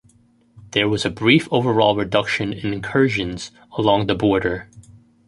There was a brief overall reduction in incursions along the border.